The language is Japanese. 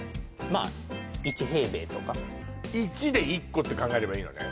まあ１平米とか１で一個って考えればいいのね